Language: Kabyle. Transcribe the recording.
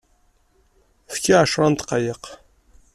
Efk-iyi-d ɛecṛa n ddqayeq.